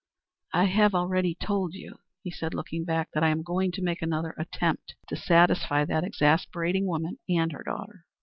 "I have already told you," he said, looking back, "that I am going to make another attempt to satisfy that exasperating woman and her daughter."